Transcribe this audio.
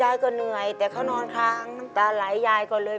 อาการชักเกร็งอาการชักเกร็งอ